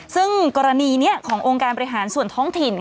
ซึ่งกรณีนี้ขององค์การบริหารส่วนท้องถิ่น